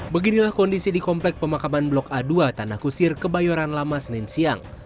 beginilah kondisi di komplek pemakaman blok a dua tanah kusir kebayoran lama senin siang